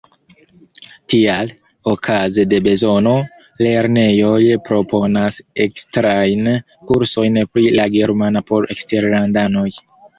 Tial, okaze de bezono, lernejoj proponas ekstrajn kursojn pri la germana por eksterlandanoj.